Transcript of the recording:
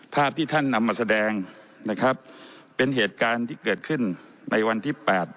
ภาพที่ท่านนำมาแสดงนะครับเป็นเหตุการณ์ที่เกิดขึ้นในวันที่แปด